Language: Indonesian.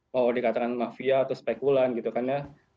mau dikatakan mafia atau spekulan gitu kan ya